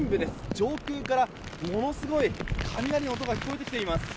上空からものすごい雷の音が聞こえてきています。